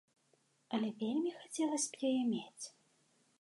Але вельмі хацелася б яе мець.